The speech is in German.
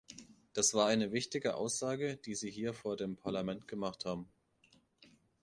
Das war eine wichtige Aussage, die Sie hier vor dem Parlament gemacht haben.